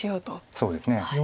そうですね。